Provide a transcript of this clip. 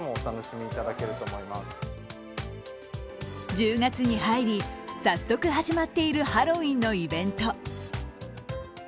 １０月に入り早速始まっているハロウィーンのイベント。